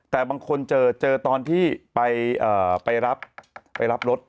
แต่บางคนเจอตอนที่ไปรับรถ